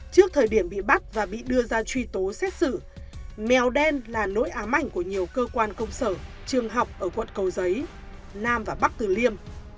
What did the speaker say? trước thời điểm bị bắt và bị đưa ra truy tố xét xử mèo đen là nỗi ám ảnh của nhiều cơ quan công sở trường học ở quận cầu giấy nam và bắc từ liêm